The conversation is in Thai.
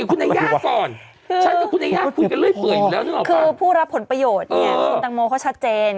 คือผู้รับผลประโยชน์เนี่ยคุณตังโมเขาชัดเจน